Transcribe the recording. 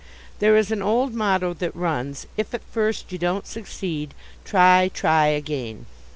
There is an old motto that runs, "If at first you don't succeed, try, try again."